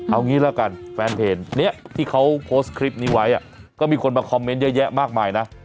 เอางี้ละกันแฟนเพจนี้ที่เขาโพสต์คลิปนี้ไว้ก็มีคนมาคอมเมนต์เยอะแยะมากมายนะ